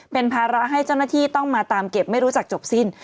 เป็นภาระให้เจ้าหน้าที่ต้องมาตามเก็บไม่รู้จักจบสิ้น